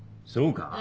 そうか？